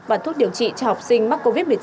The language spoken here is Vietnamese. và thuốc điều trị cho học sinh mắc covid một mươi chín